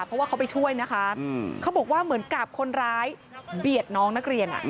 เพราะว่าเขาไปช่วยนะคะเขาบอกว่าเหมือนกับคนร้ายเบียดน้องนักเรียน